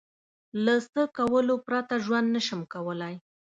له څه کولو پرته ژوند نشم کولای؟